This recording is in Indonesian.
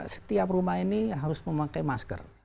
setiap rumah ini harus memakai masker